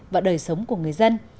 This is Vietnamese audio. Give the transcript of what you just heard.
và đời sống của người dân